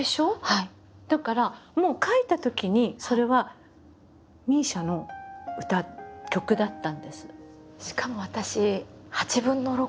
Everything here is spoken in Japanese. だからもう書いたときにそれはＭＩＳＩＡの歌曲だったんです。